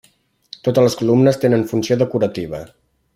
Totes les columnes tenen funció decorativa.